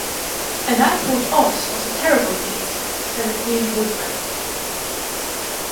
"And I thought Oz was a terrible Beast," said the Tin Woodman.